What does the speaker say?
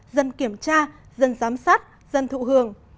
dân kiểm tra dân giám sát dân thụ hưởng